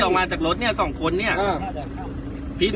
เราไม่ได้ฝันนะอันนี้มันเป็นเรื่องจริง